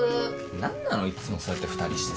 何なのいつもそうやって二人してさ。